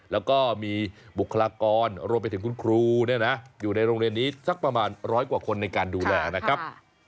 แล้วก็มีบุคลากรรวมไปถึงคุณครูอยู่ในโรงเรียนนี้สักประมาณร้อยกว่าคนในการดูแลนะครับ